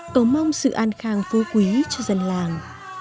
tổ mong sự an khang vô quý cho dân làng